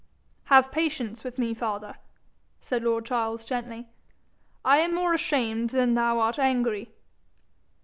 'Have patience with me, father,' said lord Charles gently. 'I am more ashamed than thou art angry.'